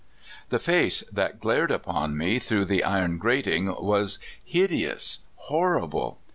The face that glared upon me through the iron grating was hideous, horrible.